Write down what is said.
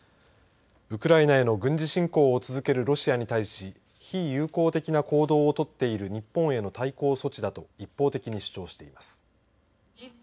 ウクライナへの軍事侵攻を続けるロシアに対し非友好的な行動を取っている日本への対抗措置だと一方的に主張しています。